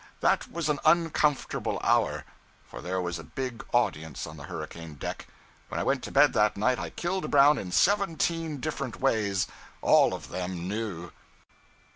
That was an uncomfortable hour; for there was a big audience on the hurricane deck. When I went to bed that night, I killed Brown in seventeen different ways all of them new.